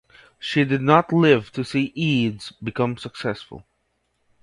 She did not live to see Eads became successful.